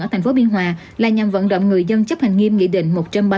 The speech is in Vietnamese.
ở thành phố biên hòa là nhằm vận động người dân chấp hành nghiêm nghị định một trăm ba mươi